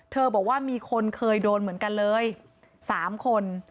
บอกว่ามีคนเคยโดนเหมือนกันเลย๓คน